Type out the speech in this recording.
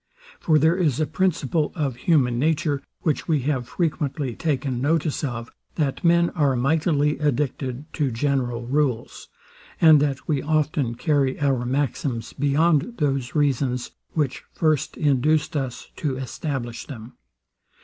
For there is a principle of human nature, which we have frequently taken notice of, that men are mightily addicted to general rules, and that we often carry our maxims beyond those reasons, which first induced us to establish them.